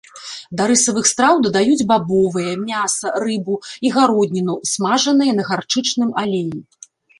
Да рысавых страў дадаюць бабовыя, мяса, рыбу і гародніну, смажаныя на гарчычным алеі.